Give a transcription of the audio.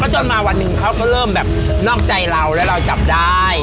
จนมาวันหนึ่งเขาก็เริ่มแบบนอกใจเราแล้วเราจับได้